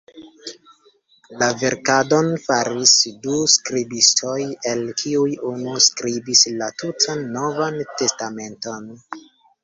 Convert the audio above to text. La verkadon faris du skribistoj, el kiuj unu skribis la tutan Novan Testamenton.